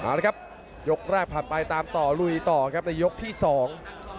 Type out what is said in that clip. เอาละครับยกแรกผ่านไปตามต่อลุยต่อครับในยกที่สอง